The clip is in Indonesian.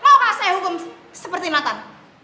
mau gak saya hukum seperti nathan